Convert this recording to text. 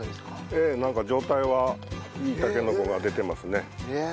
ええなんか状態はいいたけのこが出てますね。